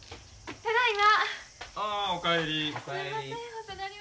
ただいま。